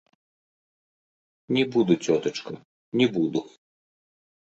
Не буду, цётачка, не буду.